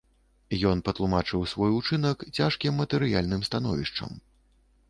Ён патлумачыў свой учынак цяжкім матэрыяльным становішчам.